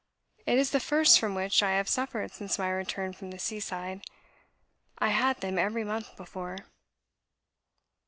It is the first from which I have suffered since my return from the sea side. I had them every month before."